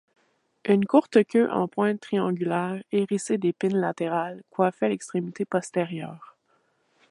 Une courte queue en pointe triangulaire, hérissée d’épines latérales, coiffait l’extrémité postérieure.